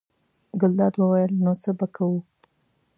ګلداد وویل: نو څه به کوو.